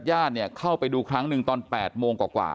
ยาดเนี่ยเข้าไปดูครั้งนึงตอน๘โมงกว่ากว่า